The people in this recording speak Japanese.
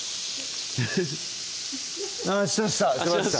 したした！